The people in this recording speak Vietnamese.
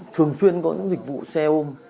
thường xuyên có những dịch vụ xe ôm